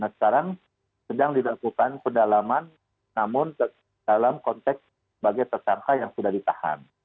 nah sekarang sedang dilakukan pedalaman namun dalam konteks bagai tersangka yang sudah ditahan